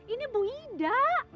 ini bu ida